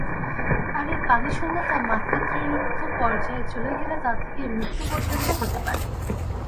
আর এই পানিশূন্যতা মাত্রাতিরিক্ত পর্যায়ে চলে গেলে তা থেকে মৃত্যু পর্যন্ত হতে পারে।